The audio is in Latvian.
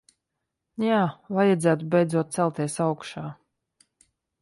Jā, vajadzētu beidzot celties augšā.